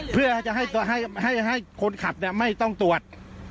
เพื่อให้คนขับไม่ต้องตรวจ